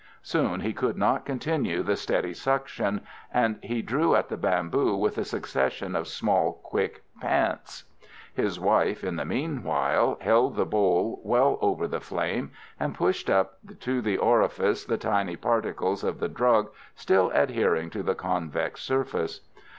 Soon he could not continue the steady suction, and he drew at the bamboo with a succession of quick, small pants. His wife, in the meanwhile, held the bowl well over the flame, and pushed up to the orifice the tiny particles of the drug still adhering to the convex surface.